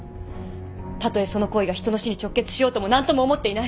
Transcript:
たとえその行為が人の死に直結しようとも何とも思っていない。